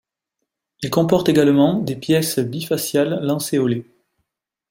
Il comporte également des pièces bifaciales lancéolées.